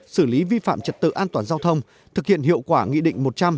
xử lý vi phạm trật tự an toàn giao thông thực hiện hiệu quả nghị định một trăm linh